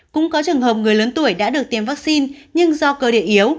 cũng có trường hợp người lớn tuổi đã được tiêm vaccine nhưng do cơ địa yếu